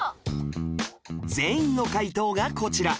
全員の解答がこちら